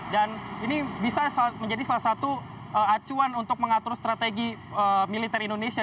dan ini bisa menjadi salah satu acuan untuk mengatur strategi militer indonesia